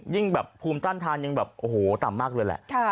ยิ่งแบบภูมิต้านทานยังแบบโอ้โหต่ำมากเลยแหละ